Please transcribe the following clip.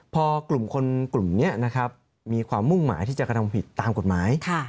พอกลุ่มคนกลุ่มนี้นะครับมีความมุ่งหมายที่จะกระทำผิดตามกฎหมาย